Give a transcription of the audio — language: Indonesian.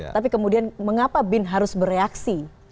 tapi kemudian mengapa bin harus bereaksi